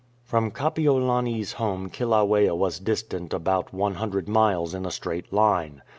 From Kapiolani's home Kilauea was distant about one hundred miles in a straight line.